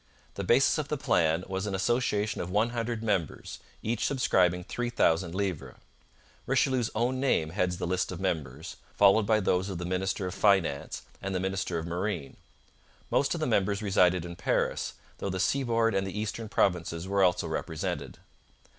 The basis of the plan was an association of one hundred members, each subscribing three thousand livres. Richelieu's own name heads the list of members, followed by those of the minister of finance and the minister of marine. Most of the members resided in Paris, though the seaboard and the eastern provinces were also represented.